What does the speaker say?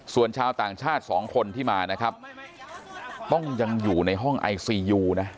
ส่วนชาวต่างชาติสองคนที่มานะครับต้องยังอยู่ในห้องไอซียูนะ